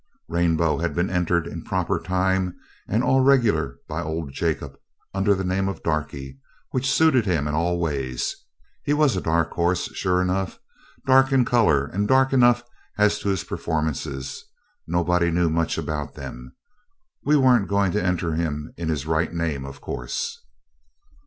Rainbow had been entered in proper time and all regular by old Jacob, under the name of Darkie, which suited in all ways. He was a dark horse, sure enough; dark in colour, and dark enough as to his performances nobody knew much about them. We weren't going to enter him in his right name, of course.